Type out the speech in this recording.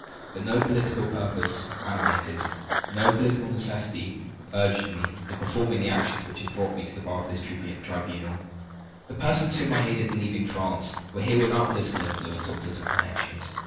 But no political purpose animated, no political necessity urged me, in performing the action which has brought me to the bar of this tribunal. The persons whom I aided in leaving France were without political influence or political connections.